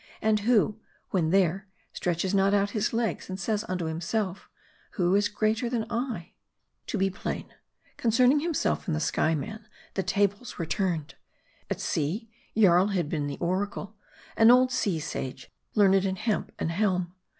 And who, when there, stretches not out his legs, and says unto himself, "Who is greater than I ?" To be plain : concerning himself and the Skyernan, the tables were turned. At sea, Jaii had been the oracle : an old sea sage, learned in hemp and helm.